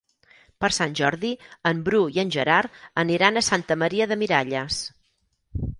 Per Sant Jordi en Bru i en Gerard aniran a Santa Maria de Miralles.